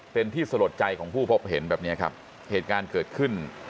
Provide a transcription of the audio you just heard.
เป็นที่สลดใจของผู้พบเห็นแบบนี้ครับเหตุการณ์เกิดขึ้น